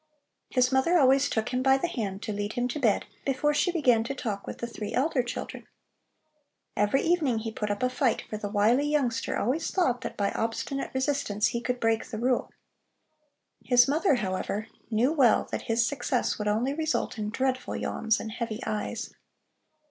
His mother always took him by the hand, to lead him to bed, before she began to talk with the three elder children. Every evening he put up a fight, for the wily youngster always thought that by obstinate resistance he could break the rule. His mother, however, knew well that his success would only result in dreadful yawns and heavy eyes.